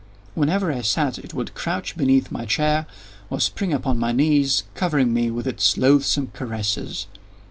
Whenever I sat, it would crouch beneath my chair, or spring upon my knees, covering me with its loathsome caresses.